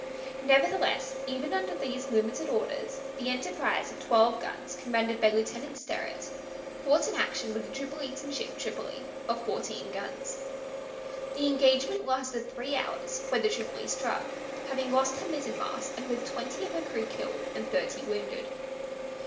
Nevertheless, even under these limited orders, the Enterprise, of twelve guns, commanded by Lieutenant Sterrett, fought an action with the Tripolitan ship Tripoli, of fourteen guns. The engagement lasted three hours, when the Tripoli struck, having lost her mizzenmast, and with twenty of her crew killed and thirty wounded.